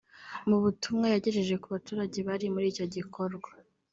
Mu butumwa yagejeje ku baturage bari muri icyo gikorwa